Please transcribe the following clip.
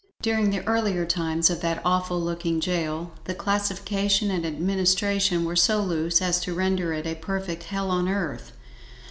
During the earlier times of that awful looking gail, the classification and administration were so loose as to render it a perfect HELL ON EARTH.